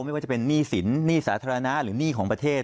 ไม่ว่าจะเป็นหนี้สินหนี้สาธารณะหรือหนี้ของประเทศ